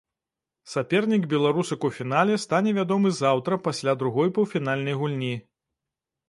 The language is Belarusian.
Сапернік беларусак у фінале стане вядомы заўтра пасля другой паўфінальнай гульні.